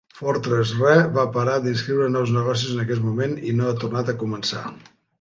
Fortress Re va parar d'inscriure nous negocis en aquest moment i no ha tornat a començar.